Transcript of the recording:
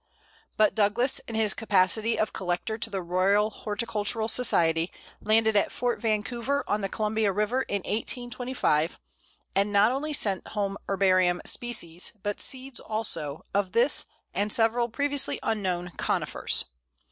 But Douglas, in his capacity of collector to the Royal Horticultural Society, landed at Fort Vancouver on the Columbia River in 1825, and not only sent home herbarium specimens, but seeds also, of this and several previously unknown Conifers.